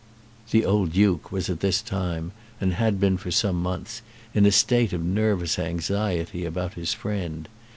The old Duke was at this time, and had been for some months, in a state of nervous anxiety about his friend.